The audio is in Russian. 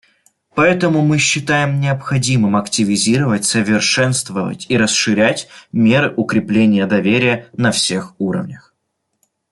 Поэтому мы считаем необходимым активизировать, совершенствовать и расширять меры укрепления доверия на всех уровнях.